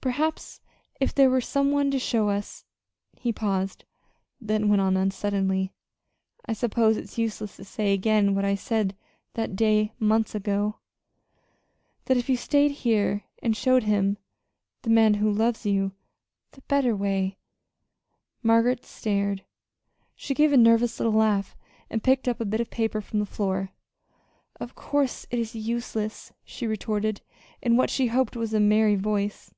Perhaps, if there were some one to show us" he paused, then went on unsteadily: "I suppose it's useless to say again what I said that day months ago: that if you stayed here, and showed him the man who loves you the better way " Margaret started. She gave a nervous little laugh and picked up a bit of paper from the floor. "Of course it is useless," she retorted in what she hoped was a merry voice.